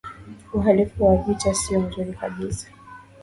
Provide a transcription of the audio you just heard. uhalifu wa kivita siyo mzuri kabisa